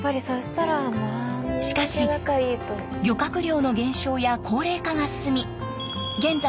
しかし漁獲量の減少や高齢化が進み現在